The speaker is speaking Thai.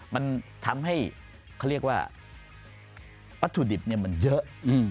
มันทำให้เขาเรียกว่าวัตถุดิบมันเยอะ